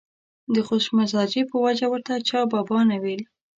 د خوش مزاجۍ په وجه ورته چا بابا نه ویل.